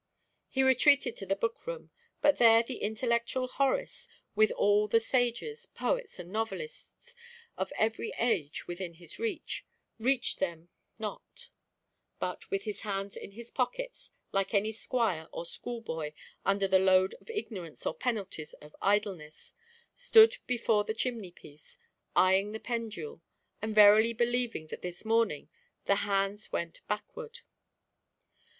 He retreated to the book room, but there the intellectual Horace, with all the sages, poets, and novelists of every age within his reach, reached them not; but, with his hands in his pockets, like any squire or schoolboy under the load of ignorance or penalties of idleness, stood before the chimney piece, eyeing the pendule, and verily believing that this morning the hands went backward.